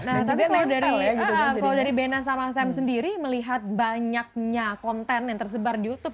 nah tapi kalau dari bena sama sam sendiri melihat banyaknya konten yang tersebar di youtube